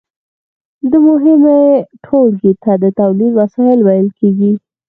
دې مهمې ټولګې ته د تولید وسایل ویل کیږي.